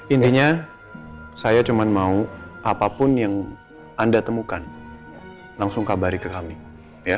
intinya saya cuma mau apapun yang anda temukan langsung kabari ke kami